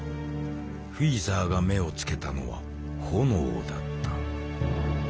フィーザーが目をつけたのは炎だった。